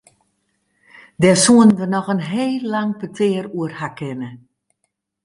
Dêr soenen we noch in heel lang petear oer ha kinne.